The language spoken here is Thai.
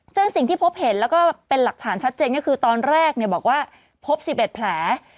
ซึ่งสิ่งที่พบเห็นแล้วก็เป็นหลักฐานชัดเจนก็คือตอนแรกบอกว่าพบ๑๑แผล